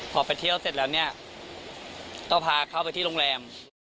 พอไปเที่ยวเสร็จแล้วต้องพาเขาไปที่โรงแรม